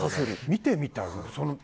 見てみたい。